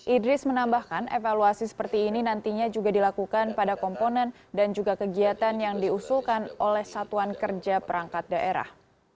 idris menambahkan evaluasi seperti ini nantinya juga dilakukan pada komponen dan juga kegiatan yang diusulkan oleh satuan kerja perangkat daerah